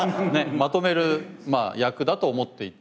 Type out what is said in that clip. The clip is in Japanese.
まとめる役だと思っていて。